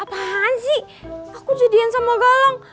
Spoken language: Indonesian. apaan sih aku jadian sama galang